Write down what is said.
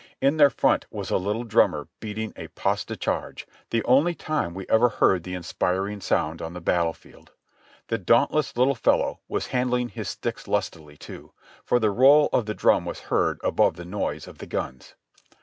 In their front was a little drummer beating a pas de charge, the only time we ever heard the inspir iting sound on the battle field. The dauntless little fellow was handling his sticks lustily, too, for the roll of the drum was heard above the noise of the guns.